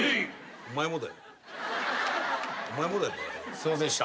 すいませんでした。